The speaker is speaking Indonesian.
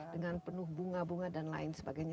dengan penuh bunga bunga dan lain sebagainya